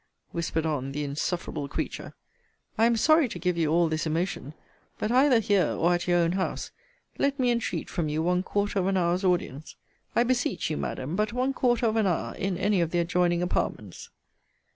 whispered on the insufferable creature I am sorry to give you all this emotion: but either here, or at your own house, let me entreat from you one quarter of an hour's audience. I beseech you, Madam, but one quarter of an hour, in any of the adjoining apartments.